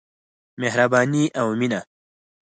مهرباني او مينه.